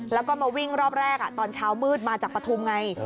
แล้วก็มาวิ่งรอบแรกตอนเช้ามืดมาจากปฐุมไง